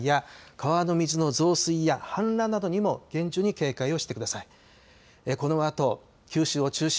土砂災害や川の水の増水や氾濫などにも厳重に警戒をしてください。